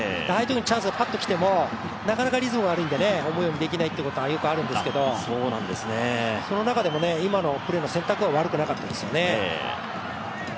チャンスがパッときてもなかなかリズムが悪いんで思うようにできないってことはよくあるんですけどその中でも今のプレーの選択は悪くなかったですよね。